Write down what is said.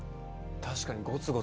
確かにゴツゴツしてて。